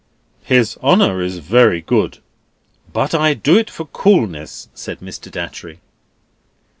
"His Honour is very good, but I do it for coolness," said Mr. Datchery.